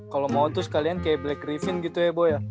kalau mau tuh sekalian kayak black griffin gitu ya bo ya